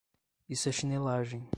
Isso é chinelagem...